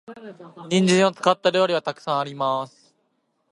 人参を使った料理は沢山あります。